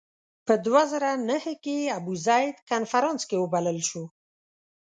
په دوه زره نهه کې ابوزید کنفرانس کې وبلل شو.